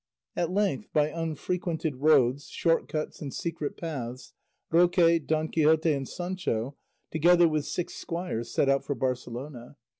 At length, by unfrequented roads, short cuts, and secret paths, Roque, Don Quixote, and Sancho, together with six squires, set out for Barcelona.